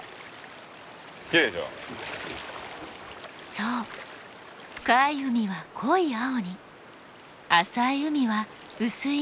そう深い海は濃い青に浅い海は薄い水色に。